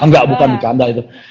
ga bukan di kanda gitu